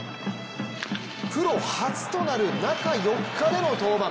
プロ初となる中４日での登板。